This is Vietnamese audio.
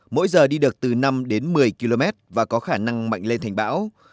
mỗi giờ đi được từ năm đến một mươi km và có khả năng mạnh lên thành bão